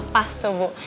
pas tuh bu